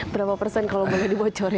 berapa persen kalau boleh dibocorin